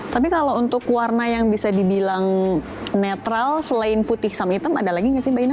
tapi kalau untuk warna yang bisa dibilang netral selain putih sama hitam ada lagi nggak sih mbak ina